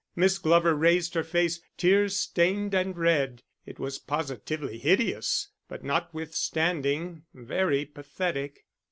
Miss Glover raised her face, tear stained and red; it was positively hideous, but notwithstanding, very pathetic.